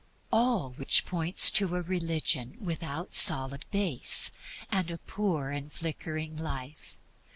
All which means a religion without solid base, and a poor and flickering life.